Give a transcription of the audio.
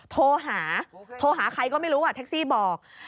โทรหาโทรหาใครก็ไม่รู้แท็กซี่บอก